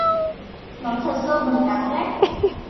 Nói thật dơ bẩn đáng ghét